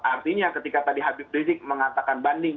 artinya ketika tadi habib rizik mengatakan banding